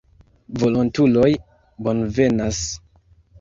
Volontuloj bonvenas.